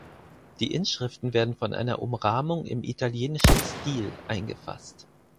Die Inschriften werden von einer Umrahmung im italienischen Stil eingefasst.